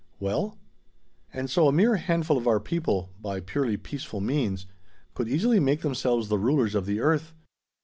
"Well?" "And so a mere handful of our people, by purely peaceful means, could easily make themselves the rulers of the earth.